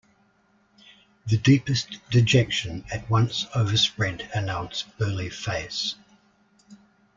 The deepest dejection at once overspread Hanaud's burly face.